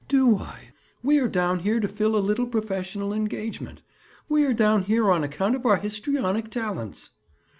"Do I? We are down here to fill a little professional engagement. We are down here on account of our histrionic talents."